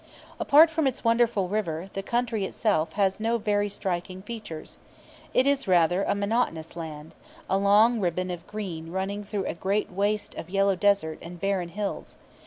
Apart from its wonderful river, the country itself has no very striking features. It is rather a monotonous land a long ribbon of green running through a great waste of yellow desert and barren hills.